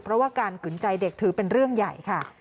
เพราะว่าการขึนใจเด็กถือเป็นเรื่องใหญ่ค่ะ